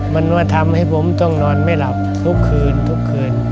มันมาทำให้ผมต้องนอนไม่หลับทุกคืนทุกคืน